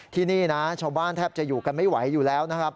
ที่นี่นะชาวบ้านแทบจะอยู่กันไม่ไหวอยู่แล้วนะครับ